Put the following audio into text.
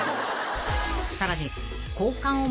［さらに］